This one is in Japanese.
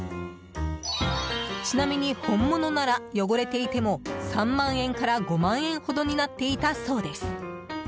ちなみに、本物なら汚れていても３万円から５万円ほどになっていたそうです。